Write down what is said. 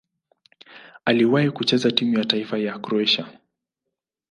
Aliwahi kucheza timu ya taifa ya Kroatia.